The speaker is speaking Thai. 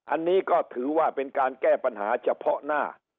อันนี้ก็ถือว่าเป็นการแก้ปัญหาเฉพาะหน้า